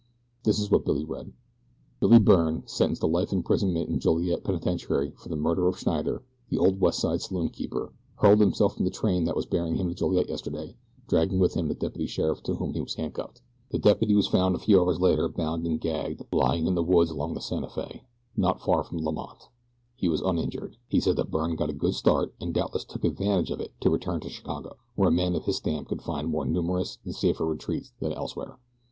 This is what Billy read: Billy Byrne, sentenced to life imprisonment in Joliet penitentiary for the murder of Schneider, the old West Side saloon keeper, hurled himself from the train that was bearing him to Joliet yesterday, dragging with him the deputy sheriff to whom he was handcuffed. The deputy was found a few hours later bound and gagged, lying in the woods along the Santa Fe, not far from Lemont. He was uninjured. He says that Byrne got a good start, and doubtless took advantage of it to return to Chicago, where a man of his stamp could find more numerous and safer retreats than elsewhere.